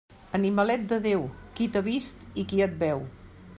Animalet de Déu, qui t'ha vist i qui et veu.